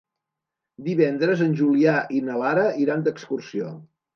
Divendres en Julià i na Lara iran d'excursió.